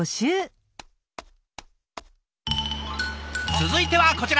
続いてはこちら！